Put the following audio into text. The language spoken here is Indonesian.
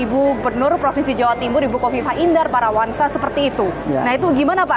ibu gubernur provinsi jawa timur ibu kofifa indar parawansa seperti itu nah itu gimana pak